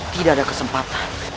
tidak ada kesempatan